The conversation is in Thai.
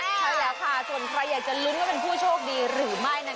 ใช่แล้วค่ะส่วนใครอยากจะลุ้นว่าเป็นผู้โชคดีหรือไม่